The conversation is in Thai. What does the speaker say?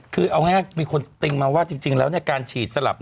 คือเอาง่ายมีคนติ้งมาว่าจริงแล้วการฉีดสลับ